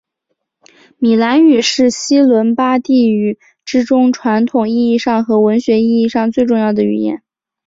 米兰语是西伦巴第语之中传统意义上和文学意义上最重要的语言。